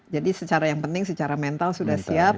jadi secara yang penting secara mental sudah siap